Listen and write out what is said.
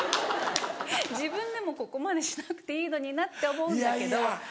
自分でもここまでしなくていいのになって思うんだけど。